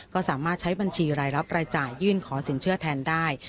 ก็สามารถใช้บัญชีรายรับรายจ่ายยื่นขอสินเชื่อแทนได้